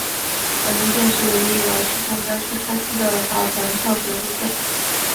本路线是唯一由西贡郊区开出的早晨特别路线。